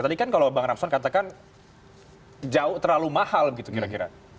tadi kan kalau bang ramson katakan jauh terlalu mahal gitu kira kira